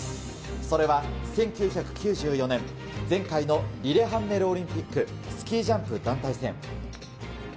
それは、１９９４年、前回のリレハンメルオリンピック、スキージャンプ団体戦。